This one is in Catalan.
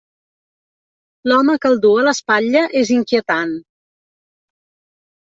L'home que el du a l'espatlla és inquietant.